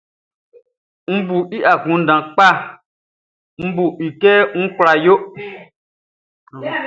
Ôti akunndan kpa, Nʼbu kɛ ye kula yo.